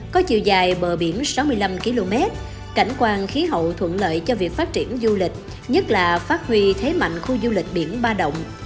có chiều dài bờ biển sáu mươi năm km cảnh quan khí hậu thuận lợi cho việc phát triển du lịch nhất là phát huy thế mạnh khu du lịch biển ba đồng